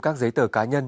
các giấy tờ cá nhân